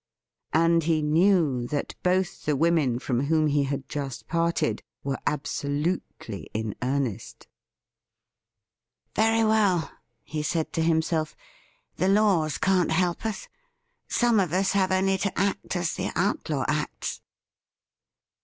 And he knew that both the women from whom he had just parted were absolutely in earnest. 286 THE RIDDLE RING ' Very well,' he said to himself, 'the laws can't help us. Some of us have only to act as the outlaw acts.'